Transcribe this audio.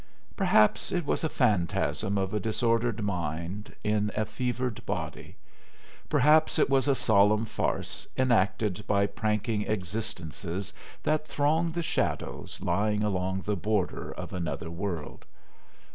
Perhaps it was a phantasm of a disordered mind in a fevered body. Perhaps it was a solemn farce enacted by pranking existences that throng the shadows lying along the border of another world.